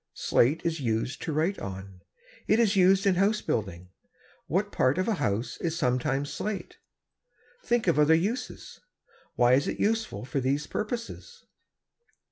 Slate is used to write on. It is used in house building. What part of a house is sometimes slate? Think of other uses. Why is it useful for these purposes?